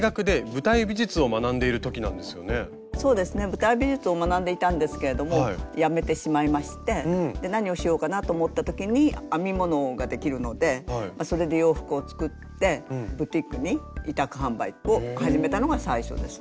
舞台美術を学んでいたんですけれどもやめてしまいまして何をしようかなと思った時に編み物ができるのでそれで洋服を作ってブティックに委託販売を始めたのが最初ですね。